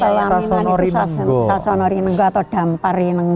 pelaminan itu sasono rinengo atau dampar rinengo